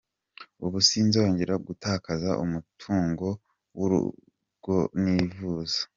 Ubu sinzongera gutakaza umutungo w’urugo nivuza”.